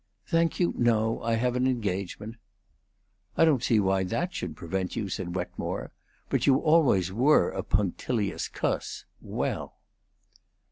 "Thank you; no. I have an engagement." "I don't see why that should prevent you," said Wetmore. "But you always were a punctilious cuss. Well!"